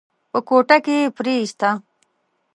په کوټه کې يې پريېسته.